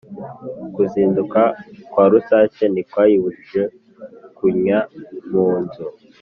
Kuzinduka kwa rusake ntikwayibujije kunnya mu nzu.